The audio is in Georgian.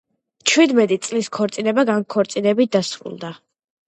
ჩვიდმეტი წლის ქორწინება განქორწინებით დასრულდა.